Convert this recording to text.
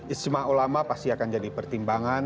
istimewa ulama pasti akan jadi pertimbangan